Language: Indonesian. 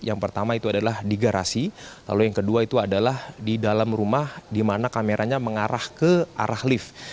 yang pertama itu adalah di garasi lalu yang kedua itu adalah di dalam rumah di mana kameranya mengarah ke arah lift